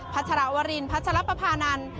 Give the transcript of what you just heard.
พัฒนาวรินพัฒนาประพานันต์